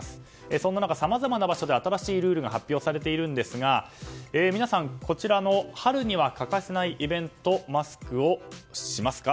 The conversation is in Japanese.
そんな中、さまざまな場所で新しいルールが発表されているんですが皆さん、こちらの春には欠かせないイベントマスクをしますか？